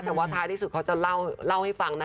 แต่ว่าท้ายที่สุดเขาจะเล่าให้ฟังนะคะ